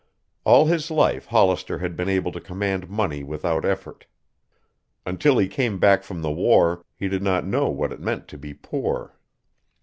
All his life Hollister had been able to command money without effort. Until he came back from the war he did not know what it meant to be poor.